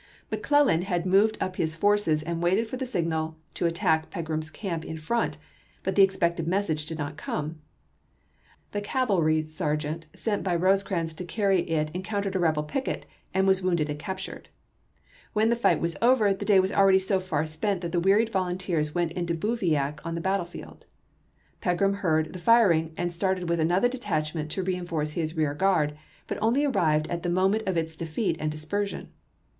il,p 217." 336 ABEAHAM LINCOLN Chap. XIX. McClellan had moved up his forces and waited for the signal to attack Pegram's camp in front, but the expected message did not come. The cav potT^t^r. airy sergeant sent by Rosecrans to carry it encoun '* 256/' ^^' tered a rebel picket, and was wounded and captured. When the fight was over, the day was akeady so far spent that the wearied volunteers went into bivouac on the battlefield. Pegram heard the fir ing and started with another detachment to re enforce his rear guard, but only arrived at the moment of its defeat and dispersion.